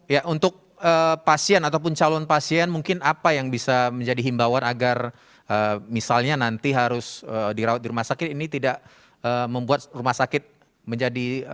ya untuk pasien ataupun calon pasien mungkin apa yang bisa menjadi himbawan agar misalnya nanti harus dirawat di rumah sakit ini tidak membuat rumah sakit menjadi